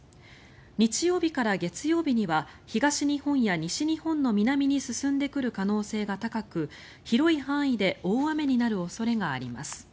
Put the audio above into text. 日曜日から月曜日には東日本や西日本の南に進んでくる可能性が高く広い範囲で大雨になる恐れがあります。